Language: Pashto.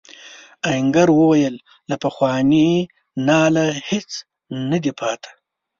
آهنګر وویل له پخواني ناله هیڅ نه دی پاتې.